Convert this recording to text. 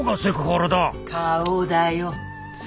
顔だよ。